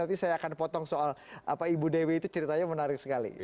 nanti saya akan potong soal apa ibu dewi itu ceritanya menarik sekali